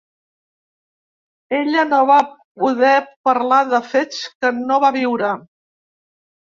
Ella no va poder parlar de fets que no va viure.